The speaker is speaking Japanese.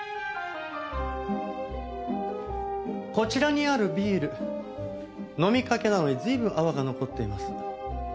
こちらにあるビール飲みかけなのに随分泡が残っています。